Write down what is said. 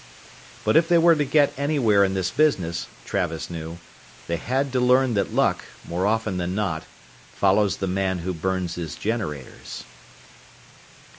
But if they were to get anywhere in this business, Travis knew, they had to learn that luck, more often than not, follows the man who burns his generators....